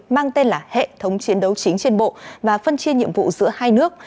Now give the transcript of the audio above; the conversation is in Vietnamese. mang tên là hệ thống chiến đấu chính trên bộ và phân chia nhiệm vụ giữa hai nước